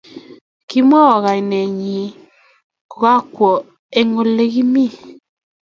Komwowan kainet nyin kokakwo eng ole kokimi